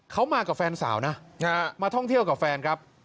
เขามากับแฟนสาวนะมาท่องเที่ยวกับแฟนครับ